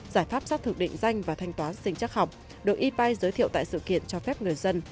giải pháp xác thực định danh và thanh toán sinh chắc học được epay giới thiệu tại sự kiện cho phép người dân